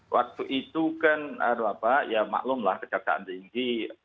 waktu itu kan ya maklumlah kejaksaan tinggi